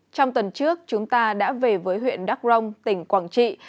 trong tuần trước chúng ta đã về với huyện đắk rông tỉnh quảng trị